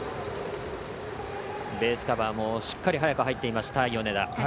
ベースカバーもしっかり早く入っていました米田。